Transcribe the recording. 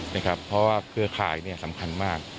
เพราะว่าเครือข่ายสำคัญมาก